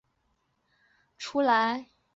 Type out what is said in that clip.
这一串的描写使王熙凤的形象立即活跳出来。